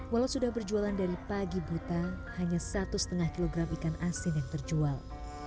walau sudah berjualan dari pagi buta hanya satu lima kg ikan asin yang terjual